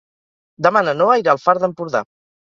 Demà na Noa irà al Far d'Empordà.